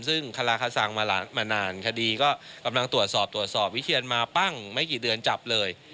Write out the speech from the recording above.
ซึ่งคาราคาสังมานานคดีก็กำลังตรวจสอบตรวจสอบวิเชียนมาปั้งไม่กี่เดือนจับเลย